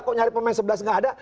kok nyari pemain sebelas nggak ada